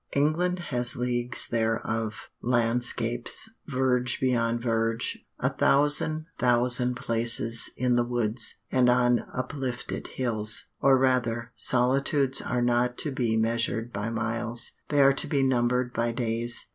England has leagues thereof, landscapes, verge beyond verge, a thousand thousand places in the woods, and on uplifted hills. Or rather, solitudes are not to be measured by miles; they are to be numbered by days.